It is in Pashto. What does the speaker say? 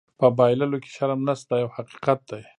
په بایللو کې شرم نشته دا یو حقیقت دی.